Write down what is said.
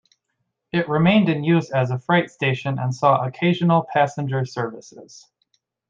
It remained in use as a freight station and saw occasional passenger services.